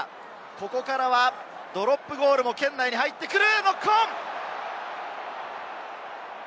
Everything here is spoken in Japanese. ここからはドロップゴールも圏内に入ってくる。